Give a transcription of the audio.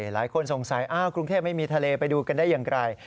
หลายคนสงสัยกรุงเทพไม่มีทะเลไปดูกันได้อย่างไร